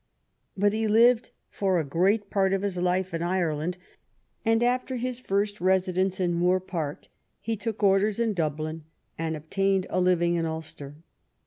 But he lived for a great part of his life in Ireland, and after his first residence in Moor Park he took orders in Dub lin and obtained a living in Ulster.